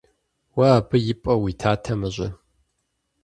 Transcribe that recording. Уэ абы и пӀэ уитатэмэ-щэ?